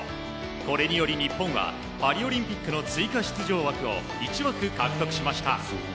これにより日本はパリオリンピックの追加出場枠を１枠獲得しました。